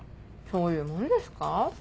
そういうもんですか？